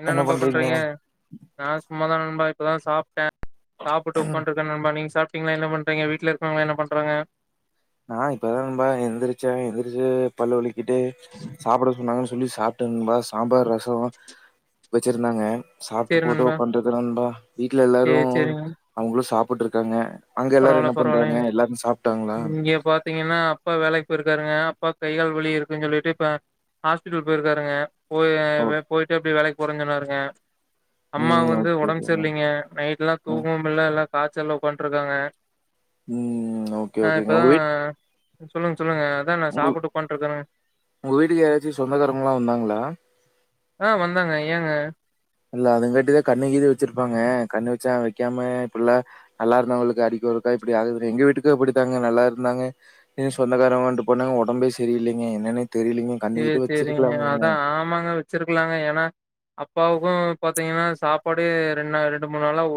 என்ன நண்பா பண்றீங்க நான் சும்மாதா நண்பா இப்ப தா சாப்ட்டே சாப்ட்டு உக்காண்டருக்கே நண்பா நீங்க சாப்ட் நீீங்களா என்ன பண்றீங்க வீட்டுல இருக்கவங்களா என்ன பண்றாங்க நா இப்பதா நண்பா எந்திரிச்சே எந்திரிச்சு [unintelligible] சாப்பட்டண்பா சாம்பார் ரசம் வச்சிருந்தாங்க சாப்ட்டு சேரி போட்டோ நண்பா பண்றதுநண்பா வீட்ல எல்லாரு சேரி சேரிங்க அவங்களு சாப் போட்ருக்காங்க அங்க எல்லாரு பரவால்ல என்ன பண்றாங்க பரவால்லைங்க எல்லாரு சாப்ட்டாங்களா இங்க பாத்தீங்கன்னா அப்பா வேலைக்கு போயிருக்காருங்க அப்பா கைகால் வலி இருக்குன்னு சொல்லிட்டு இப்ப ஹாஸ்பிட்டல் போயிருக்காருங்க போய் ஓ போயிட்டு அப்டி வேலைக் போரன்ஞ்சொன்னாரு ங்க அம்மா ம் வந்து ஓகே ஒடம்ப் ஓகேங்க சர்லீங்க நைட்லா ம் தூங்கமுட்ல எல்லா காத் செலவு பண்ட் இருக்காங்க உம் ஓகே ஓகேங்க உங்க வீட் சொல்லுங் உங்க உங்க வீட்டுக்கு யாராச்சும் சொந்தக்காரங்கலா வந்தாங்களா ஆ வந்தாங்க ஏங்க இல்ல அதுங்காட்டிதா கண்ணு கிது வச்சிருப்பாங்க கண்ணு வச்சா வைக்காம இப்டில்லா நல்லா இருந்தாவங்களுக்கு அடிக்கொருக்கா இப்டி ஆகுதுனு எங்க வீட்டுக்கு அப்டித்தாங்க நல்லா இருந்தாங்க சொந்தக்காரவந்து போன ஒடம்பே செரியில்லைங்க என்னன்னே தெரியலீங்க கண்ணு செரி கீது செரிங்க வச்சிருக்கலாம்லங்க அதா ஆமாங்க வச்சிருக்கலாங்க ஏன்னா அப்பாவுக்கும் பாத்தீங்கன்னா சாப்பாடு ரெண்டு ரெண்டு மூணு நாளா ஒ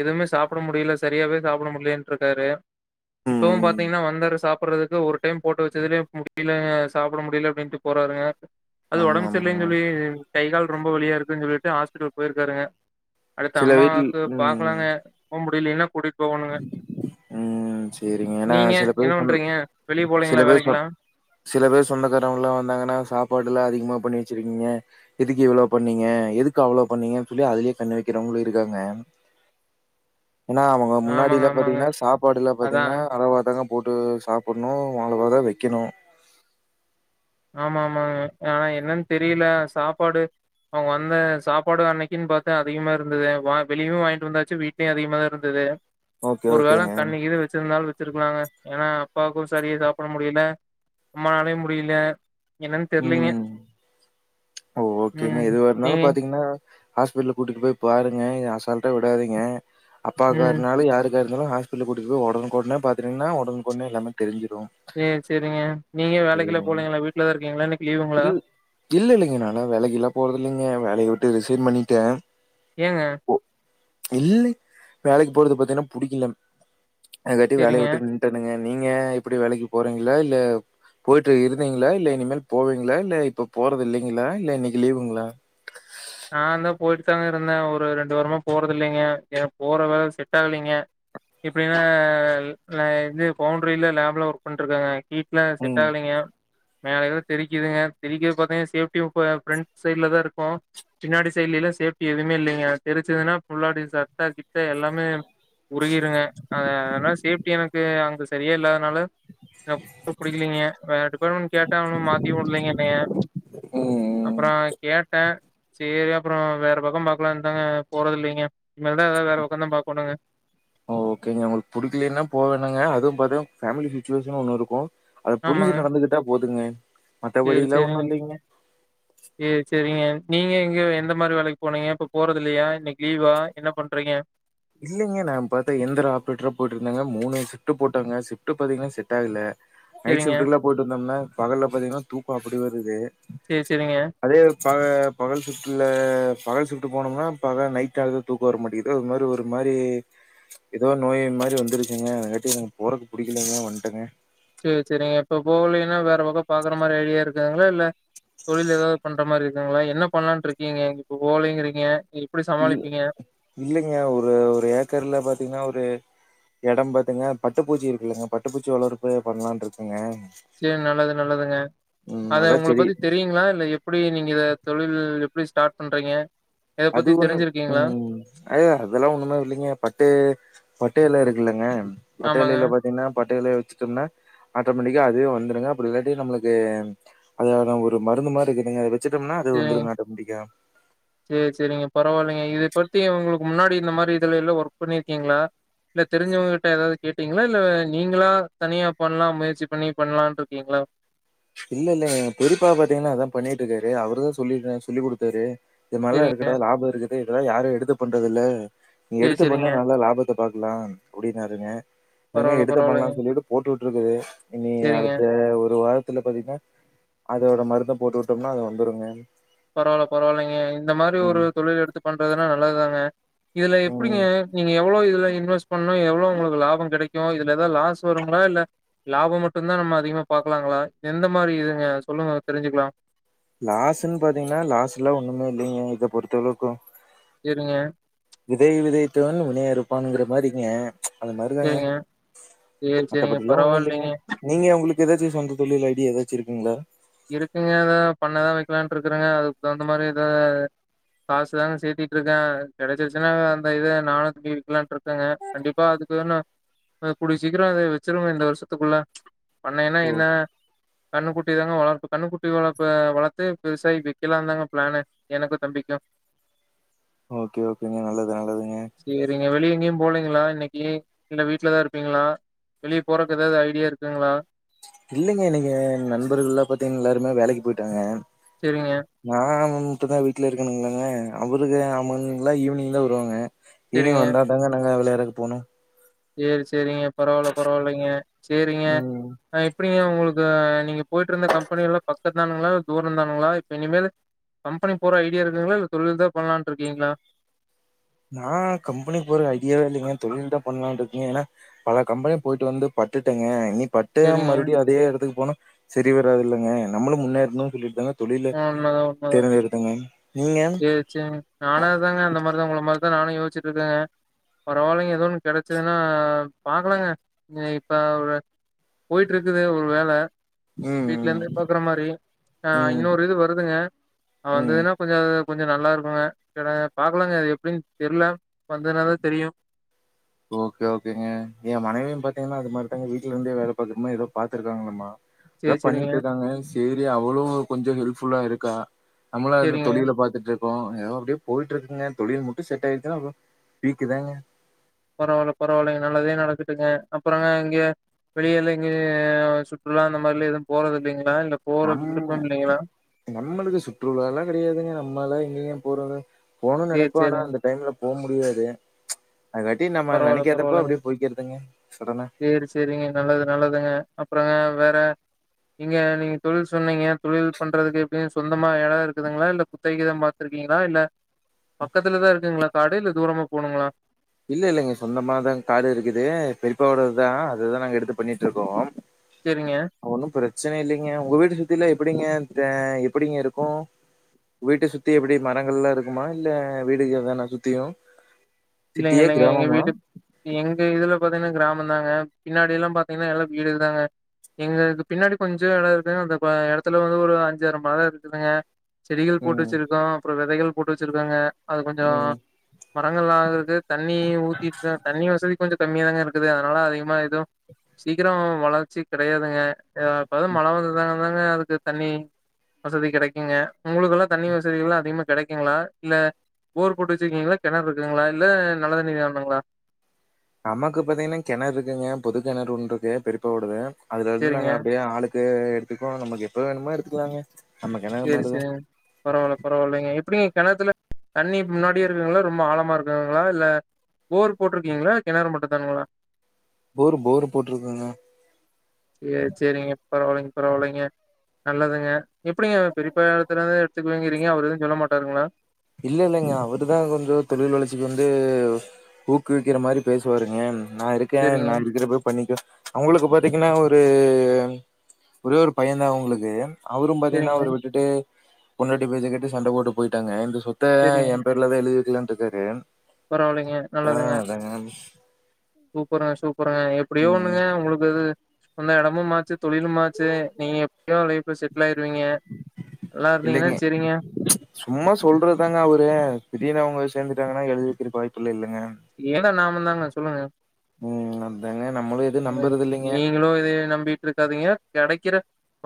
எதுவுமே சாப்ட முடியல சரியாவே சாப்ட முடியலன்ட் இருக்காரு இப்பவு ம் பாத்தீங்கன்னா வந்தரசு சாப்படுறதுக்கு ஒரு டைம் போட்டு வச்சதுலே முடிலங்கே சாப்ட முடில போறாருங்க அது ஆமா ஒடம்பு சரி ஆமாங்க இல்லலைன்னு சொல்லி கை கால் ரொம்ப வலியா இருக்குன்னு சொல்லிட்டு ஹாஸ்பிடல் போயிருக்காங்க அடுத்து சில வீட்ல் அம்மாவுக்கு ம் பாக்கலாங்க ஒம்பு இல்லின்னா குடி ம் செரிங்க ன்னா நீங்க சில என்ன பேர் சொன் பண்றீங்க வெளிய சில போலீங்களா பேர் சொ வேலைக்கெல்லா சில பேர் சொந்தக்காரங்கல்லா வந்தாங்கன்னா சாப்பாடுலா அதிகமா பண்ணி வச்சிருக்கீங்க எதுக்கு இவ்ளோ பண்ணீங்க எதுக்கு அவ்ளோ பண்ணீங்க சொல்லி அதுலயே கண்ண வைக்கிறவங்களு இருக்காங்க ஏனா அவங்க ஆமாங்க முன்னாடியில ஆமாங்க பாத்தீங்கன்னா சாப்பாடுல அதா பாத்தீங்கன்னா அளவாதங்க போட்டு சாப்டணு அளவாதா வைக்கணு ஆமா ஆமாங்க ஆனா என்னன்னு தெரியல சாப்பாடு அவங்க வந்த சாப்பாடு அன்னைக்குன் பார்த்து அதிகமாக இருந்தது வா வெளியு வாய்ன்ட்டு வந்தாச்சு வீட்லேயு அதிகமாக தா இருந்தது ஓகே, ஒரு வேள ஓகேங்க. கண்ணு கிது வச்சிருந்தாலு வச்சிருக்கலாங்க ஏன்னா அப்பாவுக்கு சரியே சாப்ட முடியல அம்மானாலேயு முடியல என்னன்னு தெர்லீங்க ம். ஓ ஓகேங்க எதுவா இருந்தாலு பாத்தீங்கன்னா ஹாஸ்பிட்டல்ல கூட்டு போய் பாருங்க அசால்ட்டா விடாதிங்க ம். அப்பாக்கனாலு யாருக் துவா‌ இருந்தாலு ஹாஸ்பிட்டல் கூட்டு போய் உடன்குடனே பாத்தீங்கன்னா உடன்குடனே எல்லாமேதெரிஞ்சு ஏ செரிங்க செரிங் லீவுங்களா? இல்ல ல் இல்லலிங்க நாளா வேலைக்குல்லா போறத இல்லைங்க வேலைய விட் ட்டு ரிசைன் பண்ணிட்டே ஏங்க இல்ல வேலைக்கு போறது பாத்தீங்கன்னா புடிக்கல அது காட்டி வேலைய சரிங்க. விட்டு நின்ட்டனுங்க நீங்க எப்டி வேலைக்கு போறீங்களா இல்ல போயிட்டு இருந்தீங்களா இல்ல இனிமேல் போவீங்களா இல்ல இப்ப போறது இல்லைங்களா இல்ல இன்னைக்கு லீவுங்களா நான்ந்தா போயிட் தாங்க இருந்தே ஒரு ரெண்டு வாரமா போறதில்லைங்க ஏக் போற வேல செட் ஆகலிங்க இப்டின்ன ந இது பவுண்டிரில லேப்ல ஒர்க் பண்ட்ருகங்க வீட்ல செட் ம். ஆகலீங்க மேலே ல தெரிக்குதுங்க தெரிக்கத பார்த்தீங் சேஃப்டியும்ப ப்ரண்ட் சைட்ல தா இருக்கோ பின்னாடி சைடலல்லா சேஃப்டி எதுமே இல்லிங்க தெரிச்சதுன்னா புள்ளாடிசா ர்டி ட எல்லாமே உருகிருங்க அத ல சேஃப்டி னக் யே அங்க சரியே இல்லாதுனால டப் புடிக்லீங்க வே டிபார்மெண்ட் கேட்ட அவும் மாத்தி வுடலிங்க ன்னைய ம், ம். அப்றோ கேட்டே சேரி அப்றோ வேற பக்கோ பாகக்கலாந்தாங்க போறது இல்லிங்க இனிமேல்தா ஏதாவது வேற உக்கதா பாக் கணுங்க ஒ ஓகேங்க உங்ளுக்கு புடிக்கலின்னா போ வேணாங்க அதுவு பாத்திங் ஃபேமிலி சுட்வேசன் ஒன்னு இருக்கு அத் புரிஞ்சி ஆமாங்க நடந்துகிட்டா போதுங்க சேரி மத்தபடிலாம் ஒண்ணும் செரிங்க இல்லைங்க. யே செரிங்க நீங்க இங்க எந்த மாரி வேலைக்கு போனீங்க இப்ப போறது இல்லையா இன்னைக்கு லீவா என்ன பண்றீங்க இல்லைங்க நா பாத்த எந்தர ஆப்ரேட்டரா போயிடு இருந்தங்க மூணு சிப்ட் போட்டங்க சிப்ட் பதிங்க செட் ஆகல நைட் சேரிங்க. ஷிப்ட்க்குலாம் போயிட்டு இருந்தம்னா பகல்ல பாத்தீங்கன்னா தூக்கம் அப்டி வருது சேர் சேரிங்க பக பகல் ஷிப்ட்ல பகல் ஷிப்ட் போனம்னா பக நைட் ஆனா தூக்க வரமாட்டேங்குது ஒரு மாதிரி ஒரு மாரி எதோ நோய் மாரி வந்துருச்சுங்க ட்டி போறக்கு பிடிக்கலிங்க வந்துட்டங்க சேர் செரிங்க இப்ப போவலின்னா வேற பக்க பாக்ற மாரி ஐடியா இருக்குங்ளா இல்ல தொழில் எதாது பண்ற மாரி இருக்குங்களா என்ன பண்லாண்ட்டு இருக்கிங்க இப்ப போலங்கறிங்க இல் இல்லைங்க ஒரு ஒரு ஏக்கர்ல பாத்தீங்கன்னா ஒரு இடம் பாத்துங்க பட்டுப்பூச்சி இருக்குல்லங்க பட்டுப்பூச்சி வளர்ப்பு பண்ணலானு இருக்காங்க சேர் நல்லது நல்லதுங்க அத அதா உங்கல செடி பத்தி தெரியுங்களா இல்ல எப்டி நீங்க இத தொழில் ப் எப்டி ஸ்டார்ட் பண்றீங்க இத அது பத்தி ஒண்ணு தெரிஞ்சிருக்கீங்களா? ம் அ அதெல்லாம் ஒண்ணுமே இல்லிங்க பட்டு பட்டை இலை இருக்குல்லங்க பட்டை ஆமாங்க. இலையில பாத்தீங்கன்னா பட்டைலை [unintelligible] அட்டோமேட்டிக்க அதுவே வந்துருங்க அப்டில்லடி நம்மளுக்கு அத ஒரு மருந்து மாரி இருக்கு அது வச்சிட்டோம்னா அது சேரிங்க. வந்துருங்க அட்டோமெட்டிக்க பரவாயில்லிங்க இத பத்தி உங்களுக்கு முன்னாடி இந்த மாரி இதுலல்ல ஒர்க் பண்ணிருக்கீங்கள இல்ல தெரிஞ்சவங்க கிட்ட எதாவது கேட்டீங்கள இல்ல நீங்களா தனிய பண்ணலா முயற்சி பண்ணி பண்ணலான்ட்ருக்கிங்கள இல்ல இல்லங்க பெரியப்பா பாத்தீங்கன்னா அதான் பண்ணிட்டு இருக்காரு அவரு தான் சொல் சொல்லி் குடுத்தாரு இத மாரி எல்லா சேரிங்க. இருக்குடா லாபம் இருக்குது இத யாரு எடுத்து பண்றதுல்ல நீ சேரி எடுத்து பண்ணு சேரிங்க. நல்ல லாபத்த பாக்கலாம் அப்டினாருங்க அதாங்க பரவால்ல எடுத்து பரவால்லைங்க. பண்ணலாம்னு சொல்லிட்டு போட்டு [unintelligible] இனி சேரிங்க. அடுத்த ஒரு வாரத் இதுல பாத்தீங்கன்னா அதோட மருந்த போட்டுட்டோம்னா அது வந்துருங்க பரவால்ல பரவால்லங்க இந்த மாரி ஒரு ம். தொழில எடுத்து பண்றதுன்னா நல்லதுதாங்க இதுல எப்டிங்க ம். நீங்க எவ்ளோ இதுல இன்வெஸ்ட் பண்ணுனா எவ்ளோ உங்களுக்கு லாபம் கிடைக்கும் இதுல ஏதாது லாஸ் வருங்களா இல்ல லாபம் மட்டும் தான் நம்ம அதிகமா பாக்கலாங்களா எந்த மாதிரி இதுங்க சொல்லுங்க தெரிஞ்சுக்கலாம் லாஸ்ன்னு பாத்தீங்கன்னா லாஸ் எல்லா ஒண்ணுமே இல்லிங்க இத பொறுத்த வரைக்கும் செரிங்க விதை விதைத்தவன் வினை அறுப்பான்ங்கிற மாரிங்க அந்த மாதிரிதாங்க சேரிங்க. சேரி சேரிங்க. மத்தபடி எல்லா ஒண்ணும் இல்லங்க பரவாயில்லைங்க. நீங்க உங்களுக் ஏதாச்சும் சொந்த தொழில் ஐடிய எதாச்சும் இருக்குங்களா இருக்குங்க பண்ணை தா வைக்கலானு இருக்குறேங்க அதுக்கு தகுந்த மாதிரி ஏதாது காசு தாங்க சேத்துட்டு இருக்கேன் கடைச்சுச்சுனா அந்த இத நானும் வைக்கலானு இருக்கேங்க கண்டிப்பா அதுக்கு ஒன்னும் கூடிய சீக்கிரம் இத வச்சிருங்க இந்த வருஷத்துக்குள்ள பண்ணைன்னா ஓ. என்ன கண்ணு குட்டி தாங்க வளர்க கண்ணுக்குட்டி வளர்ப்ப வளர்த்து பெருசாக்கி விக்கலா தாங்க பிளானு எனக்கும் தம்பிக்கும் ஓகே ஓகேங்க நல்லது நல்லதுங்க சேரிங்க. வெளிய எங்கேயும் போலீங்களா இன்னைக்கு இல்ல வீட்லதான் இருப்பீங்களா வெளிய போறக்கு எதாவது ஐடியா இருக்குங்களா இல்லைங்க இன்னைக்கு என் நண்பர்கள்லாம் பாத்தீங் எல்லாருமே வேலைக்கு போயிட்டாங்க சேரிங்க, நா ன் மட்டும் தான் வீட்ல இருக்கணுங் இல்லங்க அவருக்கு அவனுங்கலா ஈவினிங் தான் வருவாங்க சேரிங்க. ஈவினிங் வந்தா தாங்க நாங்க விளைய துக்கு போனும் சேரி சரிங்க பரவால்ல பரவாயில்லைங்க சேரிங்க ம். ஆ எப்டிங்க உங்களுக் கு நீங்க போயிட்டு இருந்த கம்பெனி எல்லாம் பக்கத்தானுங்களா இல்ல தூரம் தானுங்களா இப்ப இனிமேலு கம்பனி போற ஐடியா இருக்குங்களா இல்ல தொழில் தான் பண்ணலான்ட்டு இருக்கீங்களா நா கம்பனிக்கு போற ஐடியாவே இல்லைங்க தொழில் தான் பண்ணலான்ட்டு இருக்கீங்க ஏன்னா பல கம்பனி போய்ட்டு வந்து பட்டுட்டேங்க இனி பட்டும் செரிங்க. மறுபிடியும் அதே எடத்துக்கு போனா சரி வராது இல்லங்க நம்மளும் முன்னேருன்னு சொல்லிட்தாங்க ஆ உண்மதான் உண்மதான் நீங்க? சேரி சேரி நானு அதாங்க அந்த மாரிதான் உங்கள மாரி தா நானும் யோச்சிட்டு இருக்கேங்க பரவாயில்லைங்க ஏதோன்னு கெடச்சதுன்னா பாக்கலாங்க இனி இப்ப ஒரு போயிட்டு இருக்குது ஒரு வேல ம், வீட்ல இருந்தே ம், பாக்குற மாரி ஆ ம், இன்னொரு இது வருதுங்க ம். வந்ததுன்னா கொஞ்சோ கொஞ்சம் நல்லா இருக்குங்க கட பாக்கலாங்க அது எப்டின்னு தெர்ல வந்ததுனாதான் தெரியும் ஓகே ஓகேங்க ஏ மனைவியும் பாத்தீங்கன்னா அது மாரிதாங்க வீட்ல இருந்தே வேல பாக்குறமாரி ஏதோ பாத்துருக்காங்கலாம்மா எதோ சேரி சேரிங்க. பண்ணிட்டு இருக்காங்க செரி அவுளும் கொஞ்சம் ஹெல்ப்ஃபுல்லா இருக்கா நம்மள அந்த சேரிங்க. தொழில பாத்துட்டு கும் ஏதோ அப்டே போயிட்டு இருக்குங்க தொழில் மட்டும் செட் ஆயிடுச்சன்னா அப்புறம் பீக்குதாங்க பரவாயில்ல பரவாயில்லைங்க நல்லதே நடக்கட்டுங்க அப்புறங்க இங்கே வெளியலா எங்கே சுற்றுலா அந்த மாரிலா எதுவும் போறதில்லைங்க நம் நம்மளுக்கு சுற்றுலலாம் கெடையாதுங்க நம்மலா திடீர்னு போரரு போவுன்னு சேரி, நெனைப்போ ஆனா சேரிங்க. அந்த டைம்ல போ முடியாது அதுக்காட்டி நம்ம பரவாயில்ல நெனைக்காதப்ப பரவாயில்லைங்க அப்டியே போய்க்கிறதுங்க சடனா. சேரி சேரிங்க நல்லது நல்லதுங்க அப்புறங்க வேற இங்க நீங்க தொழில் சொன்னீங்க தொழில் பண்றதுக்கு எப்டியும் சொந்தமா எடம் இருக்குதுங்களா இல்ல குத்தைக்குதான் பாத்துருக்கீங்களா இல்ல பக்கத்துலதான் இருக்குங்களா காடு இல்ல தூரமா போணுங்களா இல்ல இல்லைங்க சொந்தமாதான் காடு இருக்குது பெரிப்பாவோடது தான் அதுதான் நாங்க எடுத்து பண்ணிட்டு இருக்கோம் சரிங்க சன இல்லைங்க உங்க வீட்ட சுத்திலாம் எப்டிங்க தா எப்டிங்க இருக்கும் வீட்ட சுத்தி எப்டி மரங்கள் லாம் இருக்குமா இல்ல வீடுகள் தானா சுத்தியும் இல்லைங்க சிட்டியா? இல்லைங்க எங்க கிராமமா? வீட்டு எங்க இதுல இப்போதான கிராமதாங்க பின்னாடி எல்லாம் பாத்தீங்கன்னா எல்லாம் வீடுதாங்க எங்களுக்கு பின்னாடி கொஞ்சம் எடம் இருக்கு அந்த பா எடத்துல வந்து ஒரு அஞ்சி ஆறு மரம் இருக்குதுங்க செடிகள் போட்டு ம், வச்சிருக்கோம் அப்புறம் வெதைகள் போட்டு வச்சிருக்கோங்க அது கொஞ்சம் ம். மரங்கள்லாம் இரு தண்ணி ஊத்திட்டுதா தண்ணி வசதி கொஞ்சம் கம்மியா தாங்க இருக்குது அதனால அதிகமா எதும் சீக்கிரம் வளர்ச்சி கிடையாதுங்க ஆ எப்பயாது மழை வந்ததாங்க தாங்க அதுக்கு தண்ணி வசதி கிடைக்குங்க ஒங்களுக்கெல்லாம் தண்ணி வசதிகள்ல்லாம் அதிகமா கெடைக்குங்களா இல்ல போர் போட்டு வச்சிருக்கீங்களா கெணறு இருக்குங்களா இல்ல நல்ல தண்ணி வேனுங்களா நமக்கு பாத்தீங்கன்னா கெணறு இருக்குங்க பொது கெணறு ஒன்ருக்கு பெரிப்பா ஓடது அதுல இருந்து சேரிங்க நாங்க அப்டே ஆளுக் கு எடுத்துக்கும் நமக்கு எப்ப வேணுமோ எடுத்துக்கலாங்க நம்ம கிணறு செரி செ மாரிதான். பரவாயில்ல பரவாயில்லைங்க எப்டி கெணத்துல தண்ணி முன்னாடியே இருக்குங்களா ரொம்ப ஆழமா இருக்குங்களா இல்ல போர் போட்டுருக்கீங்களா கெணறு மட்டும் தானுங்களா போரு போரு போட்டுருக்கங்க சேர் செரிங்க பரவாயிலைங் பரவாயில்லைங்க நல்லதுங்க எப்டிங்க பெரிப்பா எடத்துல இருந்து எடு த்துக்குவங்கிறிங்க அவரு எதும் சொல்ல மாட்டாங்களா இல்ல இல்லைங்க அவரு தான் கொஞ்சோம் தொழில் வளர்ச்சிக்கு வந்து ஊக்குவிக்கிற மாரி பேசுவாருங்க நான் இருக்கேன் சேரிங்க, நான் இருக்கிறப்பே பண்ணிக்கோ அவங்களுக்கு பாத்தீங்கன்னா ஒரு ஒரே ஒரு பையதான் அவங்களுக்கு அவரும் பாத்தீங்கன்னா சேரிங்க, அவரு விட்டுட்டு பொண்டாட்டி பேச்ச கேட்டு சண்ட போட்டு போயிட்டாங்க [unintelligible] சொத்த சேரிங்க. என் பேர்ல தான் எழுதி வைக்கலான் டிக்கறேன் பரவாயில்லைங்க நல்லதுங்க சூப்பரா சூ ப்பரா எப்டியோ ம் ஒண்ணுங்க ஒங்களுக்கு அது அந்த எடமும் மார்ச்சி தொழிலும் மார்ச்சி நீங்க எப் நல்லா இருந்தீங்கன்னா இல்லைங்க சரிங்க. சும்மா சொல்றதாங்க அவுரு திடீர்னு அவுங்க சேந்து ட்டாங்கனா எழுதிறத்துக்கு வாய்ப்பில்ல இல்ல எடம் நாம தாங் ம்ம சொல்லுங்க ம் அதாங்க நம்மளும் எதுவும் ம் நம்புறது இல்லைங்க நீங்களும் இதயே நம்பிட்டு இருக்காதீங்க கெடைக்கிற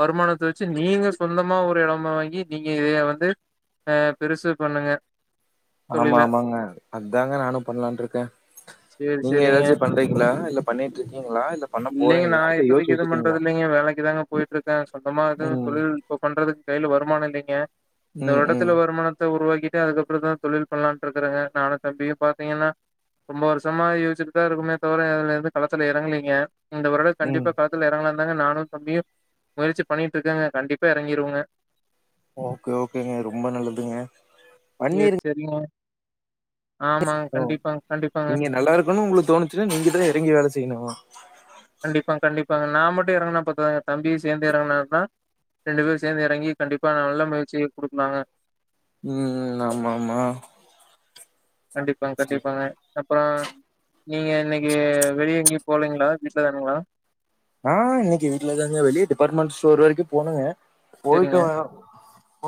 வருமானத்த வச்சு நீங்க சொந்தமா ஒரு எடம்மா வாங்கி நீங்க இதயா வந்து ஆ பெருசு பண்ணுங்க ஆமா ஆமாங்க அதாங்க நானும் பண்ணலான்ட்டு இருக்கேன் செரி நீங்க செரிங்க ஏதாச்சும் பண்றீங்களா இல்ல பண்ணிட்டு இருக்கீங்களா இல்ல பண்ண இல்லைங்க நா போறீங்களா இல்ல யோசிச்சு இப்போத்திக்கு எதும் பண்றது வச்சுட்டீங்களா இல்லைங்க வேலைக்கு தாங்க போயிட்டு இருக்கேன் சொந்தமா எதும் ம் தொழில் இப்போ பண்றதுக்கு கையில வரு மானம் இல்லீங்க இந்த ம் ம் வருடத்துல்ல வருமானத்த உருவாக் கிட்டு அதுக்கப்புறம் தான் தொழில் பண்ணலான்ட்டு இருக்கறங்க நானும் தம்பியும் பாத் தீங்கன்னா ரொம்ப வருஷமா யோசிட்டுதா இருக்கமே தவிர அதுல இருந்து கலத்துல எறங்கலீங்க இந்த வருடம் ம் கண்டிப்பா கலத்துல இறங்கலான் நானும் தம்பியும் முயற்சி பண்ணிட்டு இருக்கங்க கண்டிப்பா இறங்கிருவுங்க ஓகே ஓகேங்க ரொம்ப நல்லதுங்க செர் பண்ணிருங்க செரிங்க ஓ கண்டிப்பாங்க, நீங்க நல்லா இருக்குனுன் உங்களுக் தோணுச்சுன்னா நீங்கதான் இறங்கி வேல செய்யணுங்க கண்டிப்பா கண்டிப்பாங்க நா மட்டும் இறங்கனா பத்தாதுங்க தம்பியும் சேர்ந்து இறங்கினா தா ரெண்டு பேரும் சேர்ந்து இறங்கி கண்டிப்பா ந நல்ல முயற்சிய கொடுக்களாங்க ம் ம் நாமாமா கண்டிப்பாங் கண்டிப்பாங்க ஆ நீங்க இன்னைக்கு வெளிய எங்கயு போலீங்களா வீட்டுலதானுங்களா ஆ இன்னைக்கு வீட்டுலதாங்க வெளிய டிபார்ட்மெண்ட் ஸ்டோரு வரைக்கும் போனுங்க போயிட்டு சரிங்க. வரோ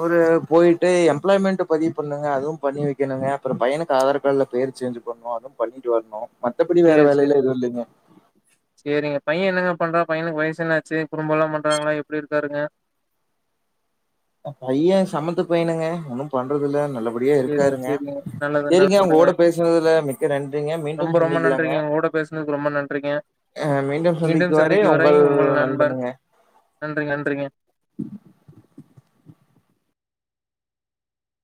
ஒரு போயிட்டு எம்ப்ளாய்மெண்ட் பதிவு பண்ணுங்க அதுவு பண்ணி வைக்கணுங்க அப்றம் பையனுக்கு ஆதார் கார்டுல பேர் சேஞ்ச் பண்ணணு அது பண்ணிட்டு வரணு மத்தபடி வேற சரி, வேலையிலாம் எதுவும் இல்லைங்க பைய என்னங்க பண்றா பையனுக்கு வயசு என்னாச்சு குரும்பெல்லாம் பண்றாங்களா எப்டி இருக்காருங்க பைய சமத்து பையனுங்க ஒன்னு பண்றதுல்ல நல்ல அப்டியே சரிங்க, இருக்காருங்க சரிங்க. நல்லது, நல்லது. செரிங்க உங்க ஓட பேசுனதுல மிக்க நன்றிங்க ரொம்ப மீண்டும் ரொம்ப சந்திக்கலாங்க நன்றிங்க. உங்க கூட பேசுனதுக்கு ரொம்ப நன்றிங்க. அ மீண்டும் சந்திக்கும் வரை உங்கள் நண்பணுங்க நன்றி, நன்றிங்க. [inaudible]